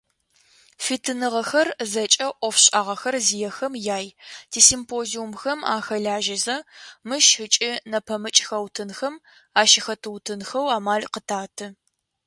Фитыныгъэхэр зэкӏэ ӏофшӏагъэхэр зиехэм яй, тисимпозиумхэм ахэлажьэзэ, мыщ ыкӏи нэпэмыкӏ хэутынхэм ащыхэтыутынхэу амал къытаты.